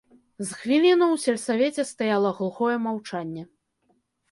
З хвіліну ў сельсавеце стаяла глухое маўчанне.